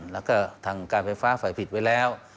แล้วก็ทางการไฟฟ้าฝ่ายผิดไว้แล้ว